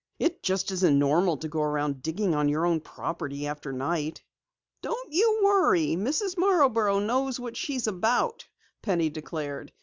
It just isn't normal to go around digging on your own property after night." "Don't you worry, Mrs. Marborough knows what she is about," Penny declared.